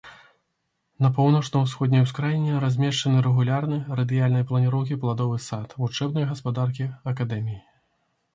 На паўночна-ўсходняй ускраіне размешчаны рэгулярны, радыяльнай планіроўкі пладовы сад вучэбнай гаспадаркі акадэміі.